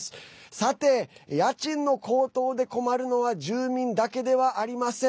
さて、家賃の高騰で困るのは住民だけではありません。